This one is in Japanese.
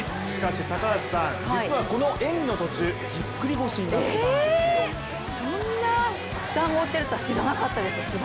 しかし、高橋さん、実はこの演技の途中ぎっくり腰になっていたんですよ。